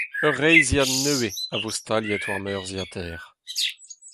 Ur reizhiad nevez a vo staliet war an urzhiataer.